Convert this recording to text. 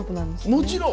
もちろん！